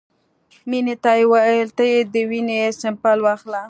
مينې ته يې وويل ته يې د وينې سېمپل واخله.